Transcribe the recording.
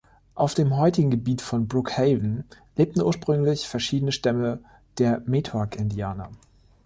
Auf dem heutigen Gebiet von Brookhaven lebten ursprünglich verschiedene Stämme der Metoac-Indianer.